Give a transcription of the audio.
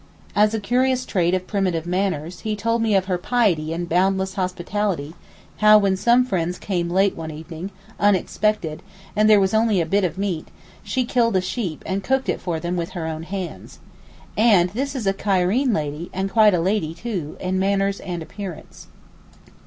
As a curious trait of primitive manners, he told me of her piety and boundless hospitality; how when some friends came late one evening, unexpectedly, and there was only a bit of meat, she killed a sheep and cooked it for them with her own hands. And this is a Cairene lady, and quite a lady too, in manners and appearance.